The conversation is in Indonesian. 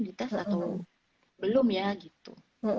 di tes atau belum ya gitu